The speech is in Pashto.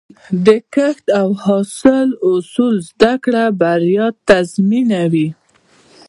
د کښت او حاصل اصول زده کړه، بریا تضمینوي.